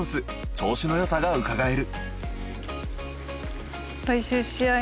調子のよさがうかがえる。